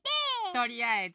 とりあえず。